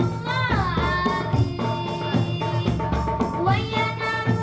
nah selesai satu anak ini